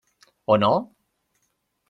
O no?